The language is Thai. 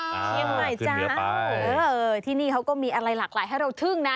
เชียงใหม่จ้าที่นี่เขาก็มีอะไรหลากหลายให้เราทึ่งนะ